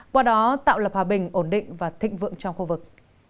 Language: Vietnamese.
qua đó tạo lập hòa bình ổn định và thịnh vượng trong khu vực